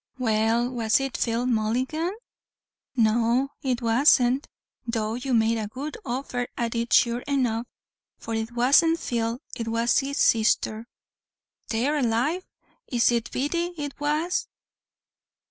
"Well, was it Phil Mulligan?" "No it wasn't, though you made a good offer at it sure enough, for if it wasn't Phil, it was his sisther " "'Tare alive, is it Biddy, it was?"